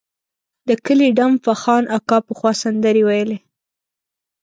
د کلي ډم فخان اکا پخوا سندرې ویلې.